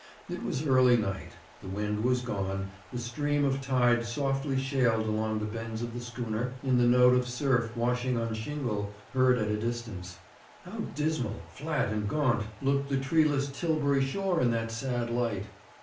It was early night. The wind was gone, the stream of tide softly shaled along the bends of the schooner in the note of surf washing on shingle heard at a distance. How dismal, flat and gaunt looked the treeless Tilbury shore in that sad light!